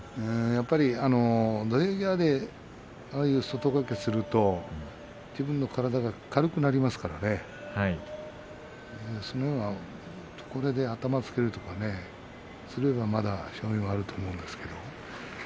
やっぱり土俵際で外掛けをすると自分の体が軽くなりますから途中、頭をつけるとかすればまだ勝機はあると思うんですが。